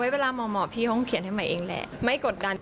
เดี๋ยวเอาไว้เวลาเหมาะพี่เขาเขียนให้ใหม่เองไม่กดดัน